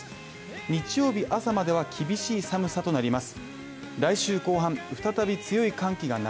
日曜日朝までは厳しい寒さとなります。